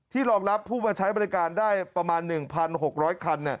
รองรับผู้มาใช้บริการได้ประมาณ๑๖๐๐คัน